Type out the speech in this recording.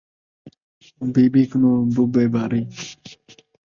بی بی کنوں بُبے باری